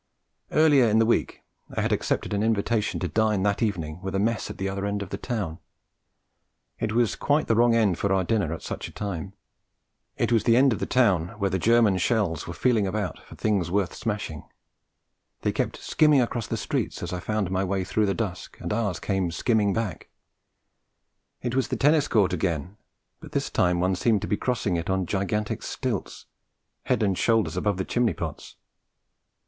Earlier in the week I had accepted an invitation to dine that evening with a mess at the other end of the town. It was quite the wrong end for dinner at such a time; it was the end where the German shells were feeling about for things worth smashing. They kept skimming across the streets as I found my way through the dusk, and ours came skimming back; it was the tennis court again, but this time one seemed to be crossing it on gigantic stilts, head and shoulders above the chimney pots.